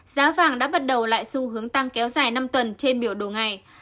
giá vàng đã bắt đầu lại xu hướng tăng kéo dài năm tuần trên biểu đồ ngày